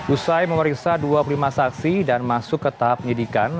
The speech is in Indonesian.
usai memeriksa dua puluh lima saksi dan masuk ke tahap penyidikan